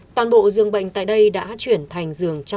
toàn bộ giường bệnh tại đây đã chuyển thành giường tự nhiên